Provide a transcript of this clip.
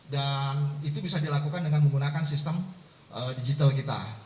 itu bisa dilakukan dengan menggunakan sistem digital kita